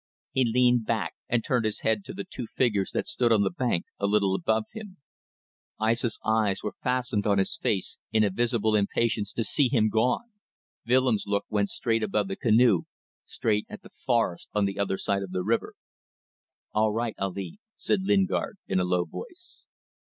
He leaned back and turned his head to the two figures that stood on the bank a little above him. Aissa's eyes were fastened on his face in a visible impatience to see him gone. Willems' look went straight above the canoe, straight at the forest on the other side of the river. "All right, Ali," said Lingard, in a low voice.